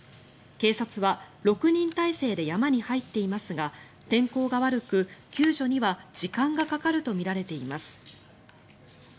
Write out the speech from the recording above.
警察は６人態勢で山に入っていますが天候が悪く救助には時間がかかるとみられています。